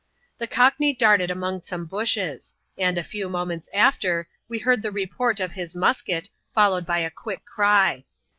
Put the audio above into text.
The Cockney darted among some bushes ; and, a few moments after, we heard the report of his musket, followed by a quick cry.